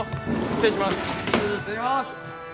失礼します